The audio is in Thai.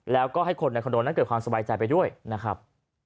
แล้วก็ให้คนในคอนโดนั้นเกิดความสบายใจไปด้วยนะครับ